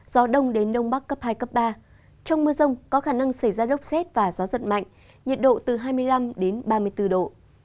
gió đông đến đông bắc cấp hai cấp ba trong mưa rông có khả năng xảy ra lốc xét và gió giật mạnh nhiệt độ từ hai mươi năm đến ba mươi bốn độ